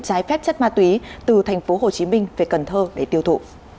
trái phép chất ma túy từ tp hcm về cần thơ để tiêu thụ